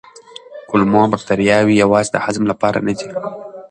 کولمو بکتریاوې یوازې د هضم لپاره نه دي.